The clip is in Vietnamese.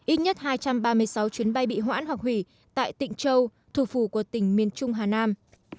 ít nhất hai trăm ba mươi sáu chuyến bay bị hoãn hoặc hủy tại tỉnh châu thủ phủ của tỉnh miền trung hà nam